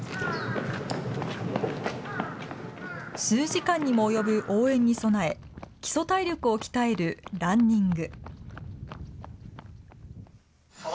数時間にも及ぶ応援に備え、基礎体力を鍛えるランニング。